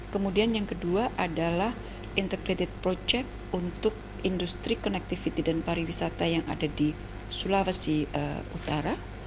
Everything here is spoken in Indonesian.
kemudian yang kedua adalah integrated project untuk industri connectivity dan pariwisata yang ada di sulawesi utara